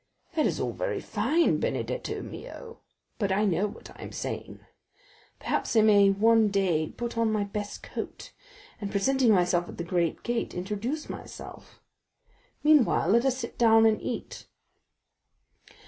"That is all very fine, Benedetto mio, but I know what I am saying. Perhaps I may one day put on my best coat, and presenting myself at the great gate, introduce myself. Meanwhile let us sit down and eat."